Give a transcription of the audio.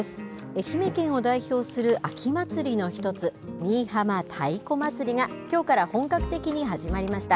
愛媛県を代表する秋祭りの一つ、新居浜太鼓祭りがきょうから本格的に始まりました。